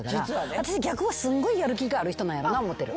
私逆はすんごいやる気がある人なんやな思うてる。